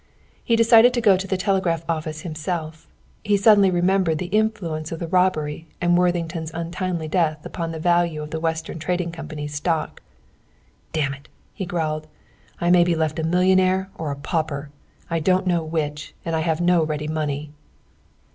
He decided to go to the telegraph office himself. He suddenly remembered the influence of the robbery and Worthington's untimely death upon the value of the Western Trading Company's stock. "Damn it!" he growled. "I may be left a millionaire or a pauper! I don't know which; and I have no ready money."